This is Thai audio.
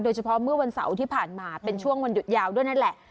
เฉพาะเมื่อวันเสาร์ที่ผ่านมาเป็นช่วงวันหยุดยาวด้วยนั่นแหละ